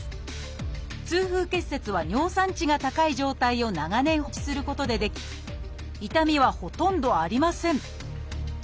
痛風結節は尿酸値が高い状態を長年放置することで出来痛みはほとんどありません。